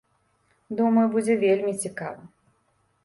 Думаю, будзе вельмі цікава.